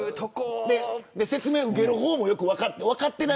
説明を受ける方も分かってない。